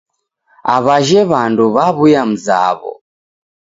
Aw'ajhe w'andu waw'uya mzaw'o.